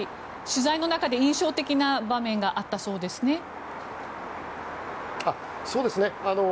取材の中で印象的な場面があったそうですね。